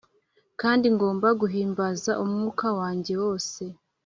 kandi ngomba guhimbaza umwuka wanjye wose.